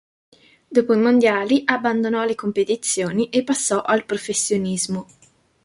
Dopo i mondiali abbandonò le competizioni, e passò al professionismo.